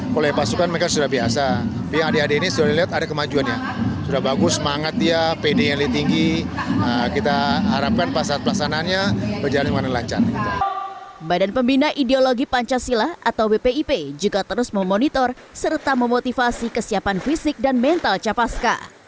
pemimpin pancasila dan bipi juga terus memonitor serta memotivasi kesiapan fisik dan mental capaska